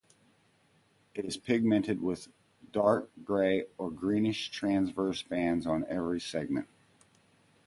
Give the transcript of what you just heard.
It is pigmented with dark gray or greenish transverse bands on every segment.